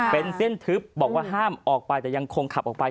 เป็นเส้นทึบบอกว่าห้ามออกไปแต่ยังคงขับออกไป